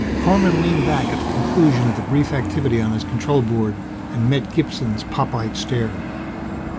Korman leaned back at the conclusion of the brief activity on his control board, and met Gibson's pop eyed stare.